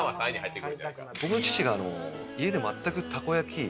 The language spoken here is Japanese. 僕の父が家で全くたこ焼き